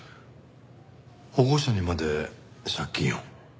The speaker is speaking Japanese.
保護者にまで借金を？